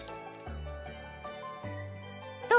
どう？